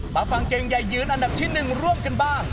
มาฟังเกมใหญ่ยืนอันดับที่๑ร่วมกันบ้าง